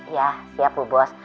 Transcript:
iya siap bu bos